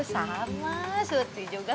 sama suti juga